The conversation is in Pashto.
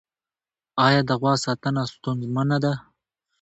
آیا د غوا ساتنه ستونزمنه ده؟